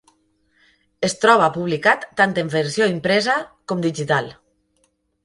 Es troba publicat tant en versió impresa com digital.